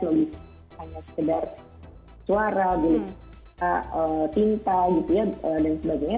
logis hanya sekedar suara tinta dan sebagainya